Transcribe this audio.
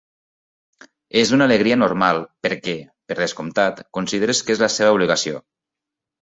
És una alegria normal perquè, per descomptat, consideres que és la seua obligació.